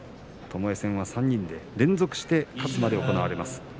ともえ戦は３人で連続して勝つまで行われます。